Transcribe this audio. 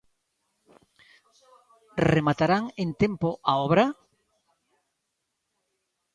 Rematarán en tempo a obra?